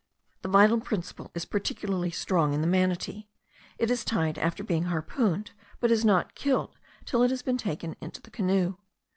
The vital principal is singularly strong in the manatee; it is tied after being harpooned, but is not killed till it has been taken into the canoe.